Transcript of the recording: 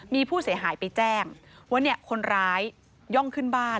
มีผู้เสียหายไปแจ้งว่าคนร้ายย่องขึ้นบ้าน